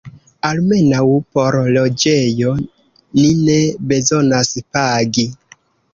Almenaŭ por loĝejo ni ne bezonas pagi.